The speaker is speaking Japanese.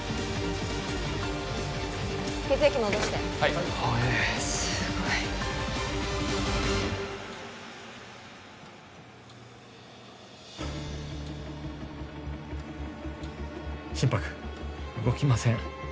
血液戻してはいはええすごい・心拍動きません